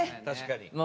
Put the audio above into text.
確かに。